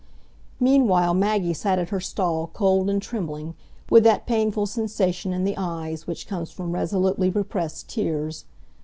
Meanwhile, Maggie sat at her stall cold and trembling, with that painful sensation in the eyes which comes from resolutely repressed tears.